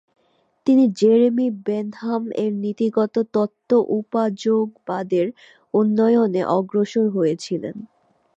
তিনি Jeremy Bentham এর নীতিগত তত্ত্ব উপযোগবাদের উন্নয়নে অগ্রসর হয়েছিলেন।